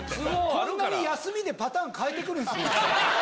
こんなに休みでパターン変えてくるんすね。